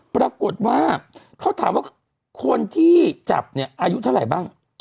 ปรากฏว่าเขาถามว่าคนที่จับเนี่ยอายุเท่าไหร่บ้าง